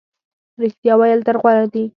رښتیا ویل تل غوره وي.